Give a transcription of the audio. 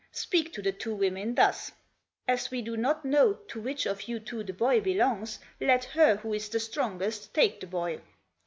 Speak to the two women thus: *As we do not know to which of you two the boy belongs, let her who is the strongest take the boy.'